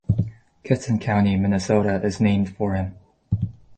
Kittson County, Minnesota is named for him.